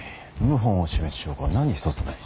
謀反を示す証拠は何一つない。